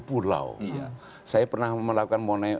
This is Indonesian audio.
pulau saya pernah melakukan